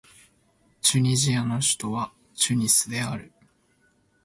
チュニジアの首都はチュニスである